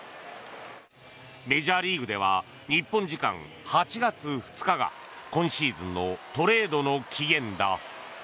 メジャーリーグでは日本時間８月２日が今シーズンのトレードの期限だ。